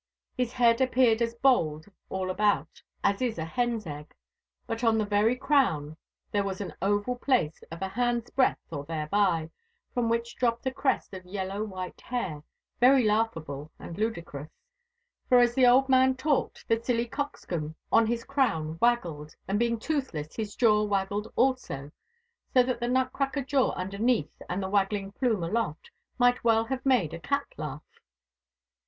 His head appeared as bald all about as is a hen's egg. But on the very crown there was an oval place of a hand's breadth or thereby, from which dropped a crest of yellow white hair, very laughable and ludicrous. For as the old man talked the silly cockscomb on his crown waggled, and being toothless his jaw waggled also. So that the nut cracker jaw underneath and the waggling plume aloft might well have made a cat laugh.